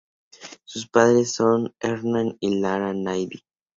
Sus padres son Hernán Lara y Nydia Zavala.